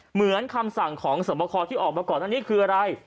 เหมือนคำสั่งของสวบคอที่ออกมาก่อนอันนี้คืออะไร